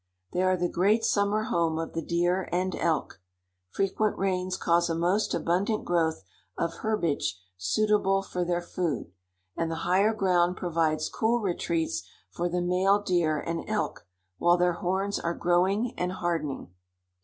They are the great summer home of the deer and elk. Frequent rains cause a most abundant growth of herbage suitable for their food, and the higher ground provides cool retreats for the male deer and elk while their horns are growing and hardening.